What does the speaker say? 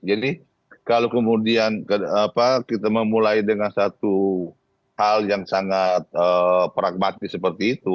jadi kalau kemudian kita memulai dengan satu hal yang sangat pragmatis seperti itu